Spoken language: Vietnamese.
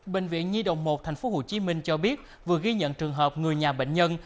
bệnh viện nhi đồng một tp hcm cho biết vừa ghi nhận trường hợp người nhà bệnh nhân